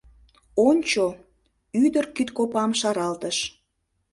— Ончо! — ӱдыр кидкопам шаралтыш.